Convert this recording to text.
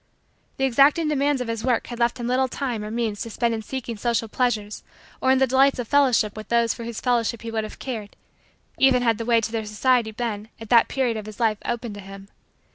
The exacting demands of his work had left him little time or means to spend in seeking social pleasures or in the delights of fellowship with those for whose fellowship he would have cared, even had the way to their society been, at that period of his life, open to him.